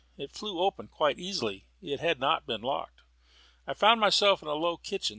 It flew open quite easily (it had not even been locked), and I found myself in a low kitchen.